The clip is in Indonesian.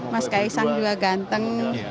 mas kaisang juga ganteng